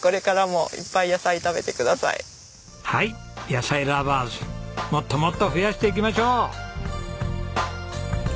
もっともっと増やしていきましょう。